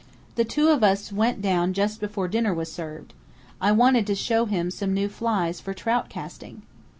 "The two of us went down just before dinner was served. I wanted to show him some new flies for trout casting."